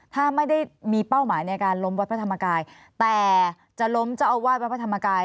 ถ้าไม่ได้มีเป้าหมายในการล้มวัดพระธรรมกายแต่จะล้มเจ้าอาวาสวัดพระธรรมกาย